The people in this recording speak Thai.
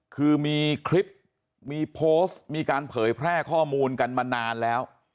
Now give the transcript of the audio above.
คือมีคลิปมีโพสต์มีการเผยแพร่ข้อมูลกันมานานแล้ว